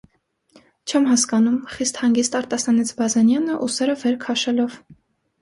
- Չեմ հասկանում,- խիստ հանգիստ արտասանեց Բազենյանը, ուսերը վեր քաշելով: